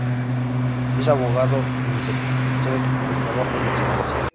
Es abogado e inspector de trabajo en excedencia.